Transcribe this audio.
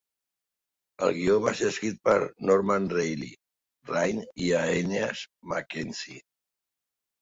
El guió va ser escrit per Norman Reilly Raine i Aeneas MacKenzie.